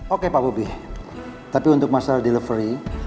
oke pak bobi tapi untuk masalah delivery